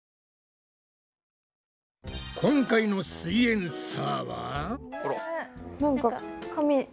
今回の「すイエんサー」は？